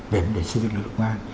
về vấn đề xây dựng lực lượng công an